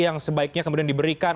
yang sebaiknya kemudian diberikan